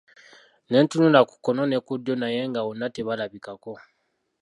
Ne tunula ku kkono ne ku ddyo naye nga wonna tebalabikako.